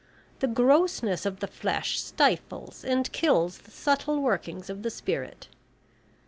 The grossness of the flesh stifles and kills the subtle workings of the spirit.